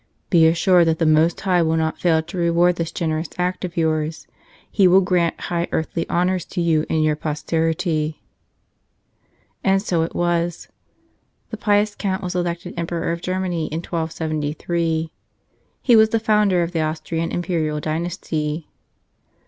"Be assured that the Most High will not fail to reward this generous act of yours; He will grant high earthly honors to you and your posterity." And so it was. The pious Count was elected Em¬ peror of Germany in 1273; he was the founder of the Austrian imperial dynasty.